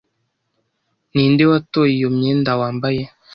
Ninde watoye iyo myenda wambaye?